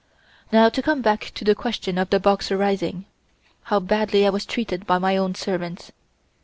"Now to come back to the question of the Boxer Rising. How badly I was treated by my own servants.